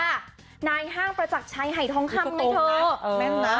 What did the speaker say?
ใครอ่ะนายห้างประจักรชัยหายทองคำไงเถอะ